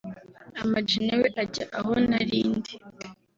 Ama G nawe ajya aho nari ndi